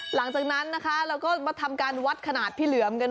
หลังจากนั้นนะคะเราก็มาทำการวัดขนาดพี่เหลือมกัน